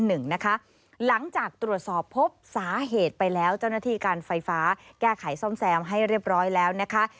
หลังจากตรวจสอบพบสาเหตุไปแล้วเจ้าหน้าที่การไฟฟ้าแก้ไขซ่อมแซมให้เรียบร้อยแล้วนะคะ